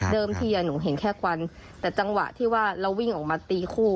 ทีหนูเห็นแค่ควันแต่จังหวะที่ว่าเราวิ่งออกมาตีคู่